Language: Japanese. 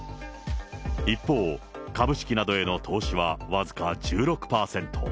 一方、株式などへの投資は僅か１６％。